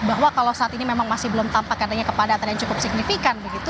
bahwa kalau saat ini memang masih belum tampak adanya kepadatan yang cukup signifikan begitu